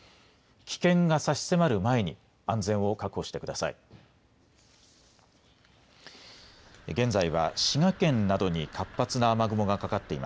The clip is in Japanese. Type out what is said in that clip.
危険が差し迫る前に安全を確保してください。